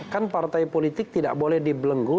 kan partai politik tidak boleh dibelenggu